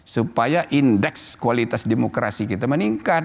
supaya indeks kualitas demokrasi kita meningkat